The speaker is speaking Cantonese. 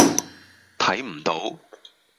睇唔到